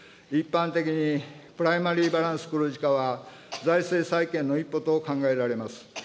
一般的に、プライマリーバランス黒字化は、財政再建の一歩と考えられます。